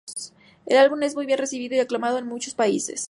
El álbum es muy bien recibido y aclamado en muchos países.